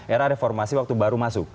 era reformasi waktu baru masuk